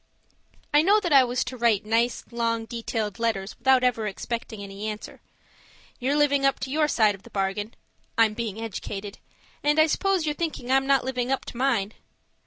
I know that I was to write nice, long, detailed letters without ever expecting any answer. You're living up to your side of the bargain I'm being educated and I suppose you're thinking I'm not living up to mine!